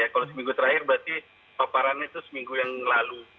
kalau seminggu terakhir berarti paparannya itu seminggu yang lalu